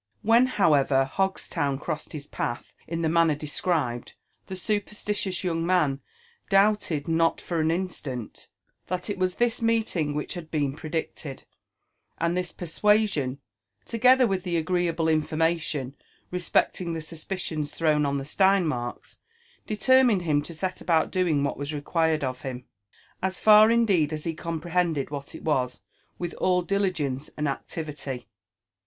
When, however, Hogslown crossed his path in the manner describ ed, the superstitious young man doubted not for an instant that it was this meeting which had been predicted ; and this persuasion, together with the agreeable information respecting the suspicions thrown on the Steinmarks, determined him to set about doing what was required of him, as far indeed as he comprehended what it was, with all diligence and activity.